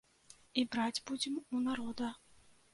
І браць будзем у народа.